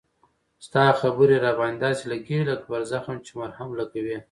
ستا خبري را باندي داسی لګیږي لکه پر زخم چې مرهم لګوې